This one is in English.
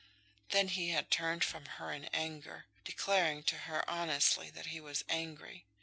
Then he had turned from her in anger, declaring to her honestly that he was angry.